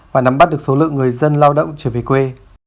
và nắm bắt được số lượng người dân lao động trở về quê